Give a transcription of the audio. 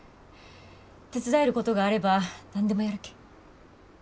手伝えることがあれば何でもやるけん。